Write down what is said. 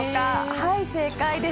はい、正解です。